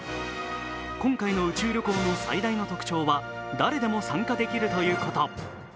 今回の宇宙旅行の最大の特徴は、誰でも参加できるということ。